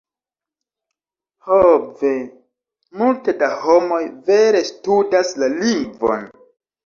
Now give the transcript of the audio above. "Ho ve, multe da homoj vere studas la lingvon.